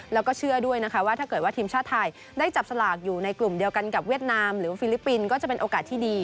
แล้วก็เชื่อด้วยนะคะว่าถ้าเกิดว่าทีมชาติไทยได้จับสลากอยู่ในกลุ่มเดียวกันกับเวียดนามหรือว่าฟิลิปปินส์ก็จะเป็นโอกาสที่ดี